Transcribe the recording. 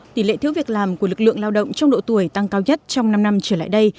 tỷ lệ thiếu việc làm của lực lượng lao động trong độ tuổi tăng cao nhất trong năm năm trở lại đây